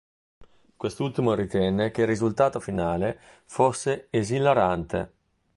Quest'ultimo ritenne che il risultato finale fosse "esilarante".